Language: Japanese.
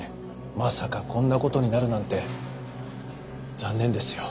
まさかこんな事になるなんて残念ですよ。